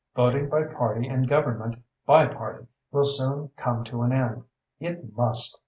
"Voting by party and government by party will soon come to an end. It must.